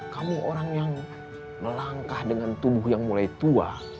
kamu orang yang melangkah dengan tubuh yang mulai tua